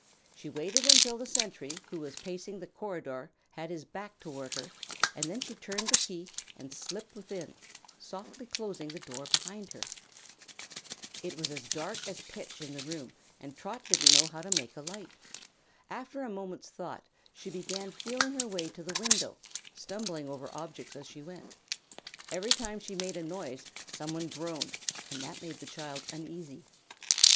She waited until the sentry who was pacing the corridor had his back toward her and then she turned the key and slipped within, softly closing the door behind her. It was dark as pitch in the room and Trot didn't know how to make a light. After a moment's thought she began feeling her way to the window, stumbling over objects as she went. Every time she made a noise some one groaned, and that made the child uneasy.